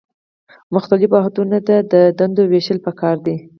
مختلفو واحدونو ته د دندو ویشل پکار دي.